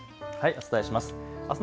お伝えします。